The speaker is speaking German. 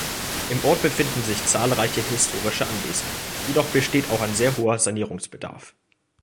Im Ort befinden sich zahlreiche historische Anwesen, jedoch besteht auch sehr hoher Sanierungsbedarf.